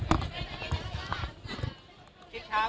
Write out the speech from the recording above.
เราก็รู้จักกัน